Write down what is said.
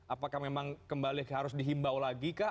apakah memang kembali harus dihimbau lagi kah